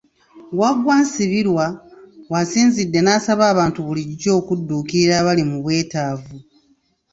Waggwa Nsibirwa w'asinzidde n'asaba abantu bulijjo okudduukirira abali mu bwetaavu.